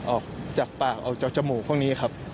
ออกจากปากจากจมูก